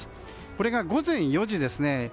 これが午前４時ですね。